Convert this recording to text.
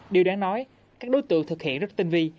điều đáng nói các đối tượng thực hiện rất tinh vi